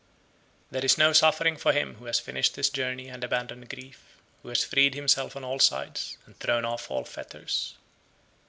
90. There is no suffering for him who has finished his journey, and abandoned grief, who has freed himself on all sides, and thrown off all fetters.